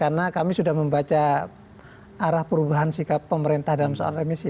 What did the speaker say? karena kami sudah membaca arah perubahan sikap pemerintah dalam soal remisi